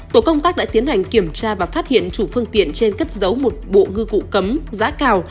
tổ công tác đã tiến hành kiểm tra và phát hiện chủ phương tiện trên cất giấu một bộ ngư cụ cấm giá cào